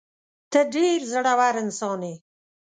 ته ډېر زړه ور انسان یې.